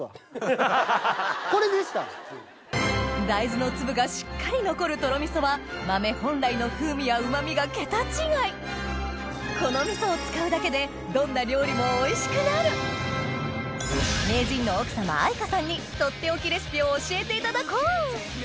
大豆の粒がしっかり残るとろみそは豆本来の風味やうま味が桁違いこの味噌を使うだけでどんな料理もおいしくなるとっておきレシピを教えていただこう！